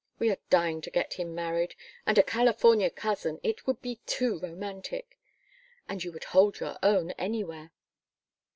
We are dying to get him married and a California cousin it would be too romantic. And you would hold your own anywhere!"